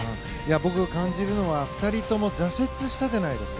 僕感じるのは２人とも挫折したじゃないですか。